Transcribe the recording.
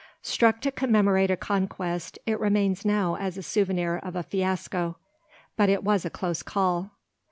Struck to commemorate a conquest, it remains now as a souvenir of a fiasco. But it was a close call.